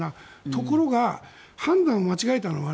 ところが判断を間違えたのは